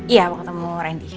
iya mau ketemu randy